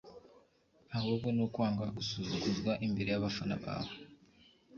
ahubwo ni ukwanga gusuzuguzwa imbere y’abafana bawe